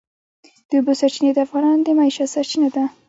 د اوبو سرچینې د افغانانو د معیشت سرچینه ده.